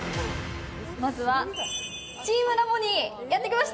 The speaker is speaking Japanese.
まずはチームラボにやってきました！